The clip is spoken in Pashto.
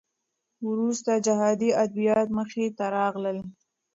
وروسته جهادي ادبیات مخې ته راغلل.